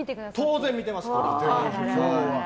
当然、見ています。